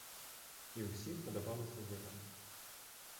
І ўсім падабалася яда.